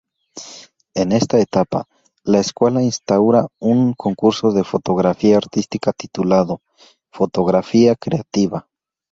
En esta etapa, la escuela instaura un concurso de fotografía artística titulado "Fotografía creativa".